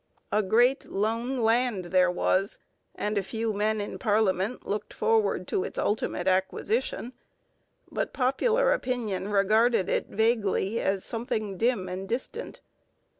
A great lone land there was, and a few men in parliament looked forward to its ultimate acquisition, but popular opinion regarded it vaguely as something dim and distant.